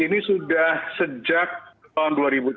ini sudah sejak tahun dua ribu tujuh belas